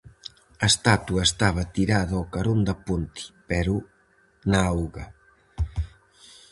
A estatua estaba tirada ao carón da ponte, pero na auga.